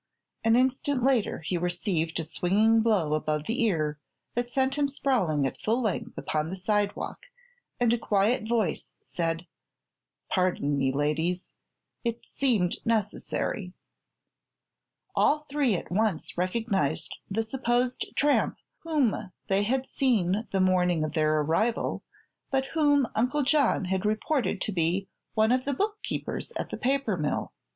An instant later he received a swinging blow above the ear that sent him sprawling at full length upon the sidewalk, and a quiet voice said: "Pardon me, ladies; it seemed necessary." All three at once recognized the supposed tramp whom they had seen the morning of their arrival, but whom Uncle John had reported to be one of the bookkeepers at the paper mill.